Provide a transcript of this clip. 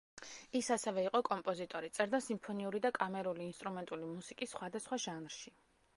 ის ასევე იყო კომპოზიტორი, წერდა სიმფონიური და კამერული ინსტრუმენტული მუსიკის სხვადასხვა ჟანრში.